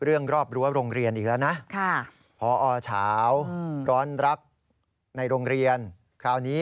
รอบรั้วโรงเรียนอีกแล้วนะพอเฉาร้อนรักในโรงเรียนคราวนี้